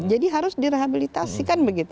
jadi harus direhabilitasikan begitu